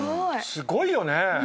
すごいよね。